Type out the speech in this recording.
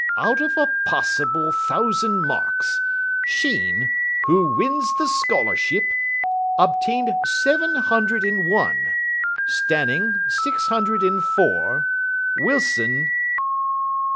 "Out of a possible thousand marks, Sheen, who wins the scholarship, obtained seven hundred and one, Stanning six hundred and four, Wilson...."